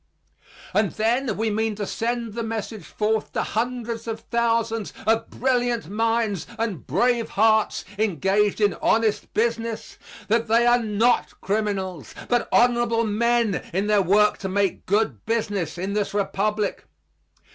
And then we mean to send the message forth to hundreds of thousands of brilliant minds and brave hearts engaged in honest business, that they are not criminals but honorable men in their work to make good business in this Republic.